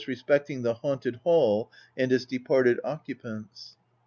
33 respecting the haunted hall and its departed occupants.